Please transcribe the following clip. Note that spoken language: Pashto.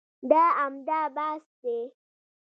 دا عمده بحث دی.